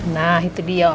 nah itu dia